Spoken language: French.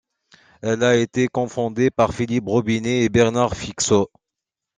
Elle a été cofondée par Philippe Robinet et Bernard Fixot.